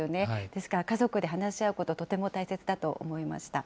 ですから、家族で話し合うこと、とても大切だと思いました。